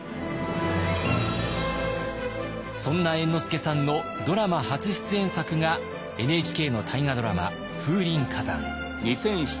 そんな猿之助さんのドラマ初出演作がＮＨＫの大河ドラマ「風林火山」。